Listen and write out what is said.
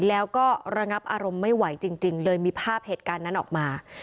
แล้วก็ระงับอารมณ์ไม่ไหวจริงเลยมีภาพเหตุการณ์นั้นออกมา